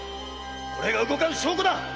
〔これが動かぬ証拠だっ！〕